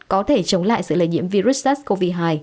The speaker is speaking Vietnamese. có thể chống lại sự lây nhiễm virus sars cov hai